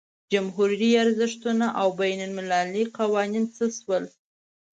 جمهوري ارزښتونه او بین المللي قوانین څه شول.